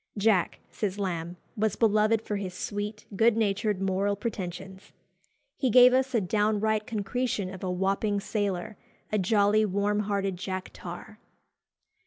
"Jack," says Lamb, "was beloved for his sweet, good natured moral pretensions." He gave us "a downright concretion of a Wapping sailor, a jolly warm hearted Jack Tar."